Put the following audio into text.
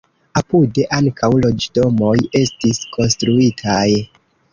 Apude ankaŭ loĝdomoj estis konstruitaj.